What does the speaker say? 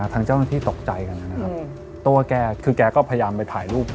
ทางเจ้าหน้าที่ตกใจกันนะครับตัวแกคือแกก็พยายามไปถ่ายรูป